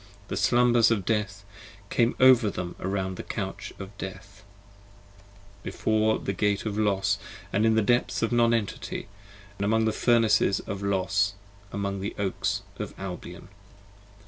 35 The Slumbers of Death came over them around the Couch of Death, Before the Gate of Los & in the depths of Non Entity, Among the Furnaces of Los: among the Oaks of Albion.